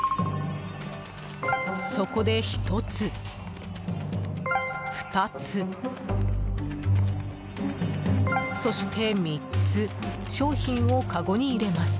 そこで１つ、２つそして、３つ商品をかごに入れます。